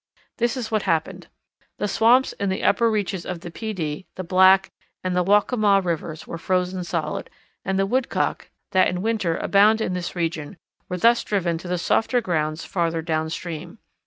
This is what happened: the swamps in the upper reaches of the Pee Dee, the Black, and Waccamaw rivers were frozen solid, and the Woodcock, that in winter abound in this region, were thus driven to the softer grounds farther downstream.